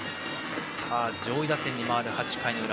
上位打線に回る、８回裏。